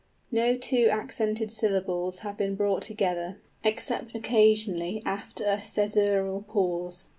No two accented syllables have been brought together, except occasionally after a cæsural pause.